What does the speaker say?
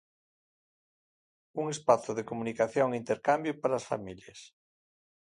Un espazo de comunicación e intercambio para as familias.